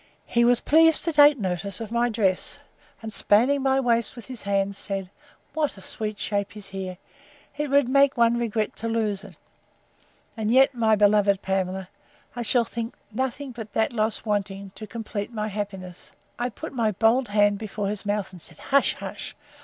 He was pleased to take notice of my dress; and spanning my waist with his hands, said, What a sweet shape is here! It would make one regret to lose it; and yet, my beloved Pamela, I shall think nothing but that loss wanting, to complete my happiness.—I put my bold hand before his mouth, and said, Hush, hush!